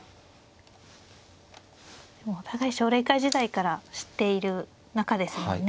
お互い奨励会時代から知っている仲ですもんね。